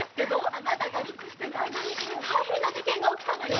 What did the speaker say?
あなたが留守してる間に大変な事件が起きたのよ！